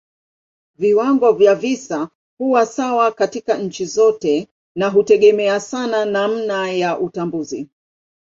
Viwango vya visa huwa sawa katika nchi zote na hutegemea sana namna ya utambuzi.